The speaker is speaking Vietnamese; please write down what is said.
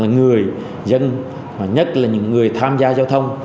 người dân nhất là những người tham gia giao thông